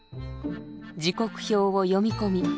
時刻表を読み込み